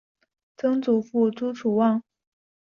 曾祖父朱楚望。